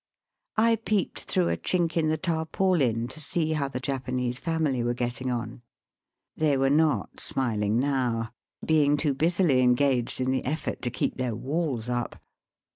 I peeped through a chink in the tarpaulin to see how the Japanese family were getting on. They were not smiling now, being too busily en gaged in the effort to keep their walls up.